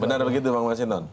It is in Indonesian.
benar begitu bang masinon